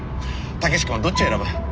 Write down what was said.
武志君はどっちを選ぶ？